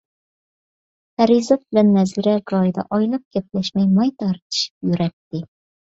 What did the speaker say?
پەرىزات بىلەن نەزىرە گاھىدا ئايلاپ گەپلەشمەي ماي تارتىشىپ يۈرەتتى.